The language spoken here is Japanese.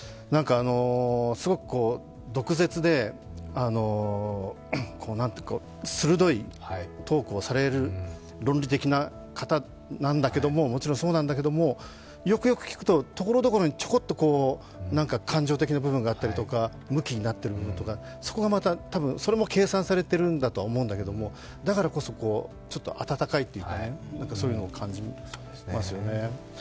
すごく毒舌で、鋭いトークをされる、論理的な方なんだけどももちろんそうなんだけどもよくよくきくと、ところどころに感情的な部分があるとかムキになっているところとか、多分それも計算されているとは思うんだけれども、だからこそ、ちょっと温かいというか、そういうのを感じますよね。